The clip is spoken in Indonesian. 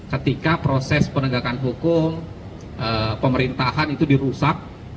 ketika proses penegakan hukum pemerintahan itu dirusak